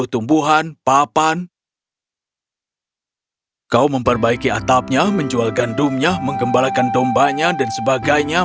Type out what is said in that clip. kau harus membaikkan atapnya jual gandumnya dan menggembalakan dombanya dan sebagainya